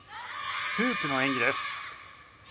フープの演技です。